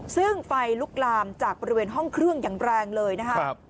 ซึ่งไฟลุกลามจากบริเวณห้องเครื่องอย่างแรงเลยนะครับ